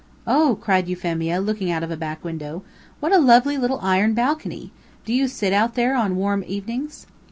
"Oh!" cried Euphemia, looking out of a back window. "What a lovely little iron balcony! Do you sit out there on warm evenings?"